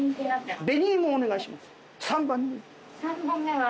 ３番目は。